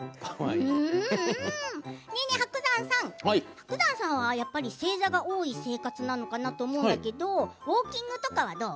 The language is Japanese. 伯山さんはやっぱり正座が多い生活なのかなと思うんだけどウォーキングとかはどう？